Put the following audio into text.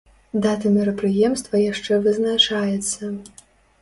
Дата мерапрыемства яшчэ вызначаецца.